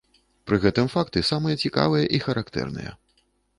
Пры гэтым факты самыя цікавыя і характэрныя.